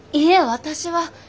私は。